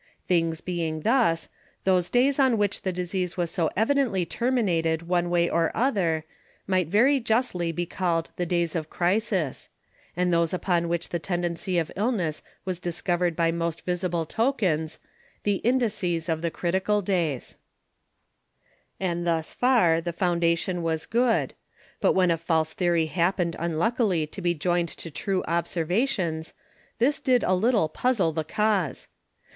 Things being thus, Those days on which the Disease was so evidently terminated one way or other, might very justly be call'd the days of Crisis; and those upon which the tendency of Illness was discovered by most visible Tokens, the Indices of the Critical Days. And thus far the Foundation was good, but when a false Theory happen'd unluckily to be joined to true Observations, this did a little puzzle the Cause.